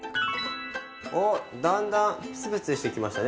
おっだんだんプツプツしてきましたね。